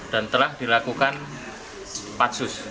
dan telah dilakukan patsus